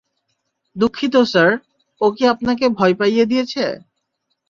দুঃখিত স্যার, ও কি আপনাকে ভয় পাইয়ে দিয়েছে?